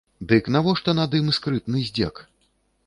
Дык навошта над ім скрытны здзек?